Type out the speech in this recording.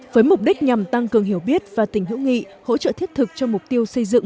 với mục đích nhằm tăng cường hiểu biết và tình hữu nghị hỗ trợ thiết thực cho mục tiêu xây dựng